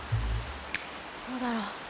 どうだろう。